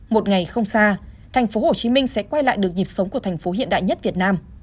một ngày không xa tp hcm sẽ quay lại được dịp sống của thành phố hiện đại nhất việt nam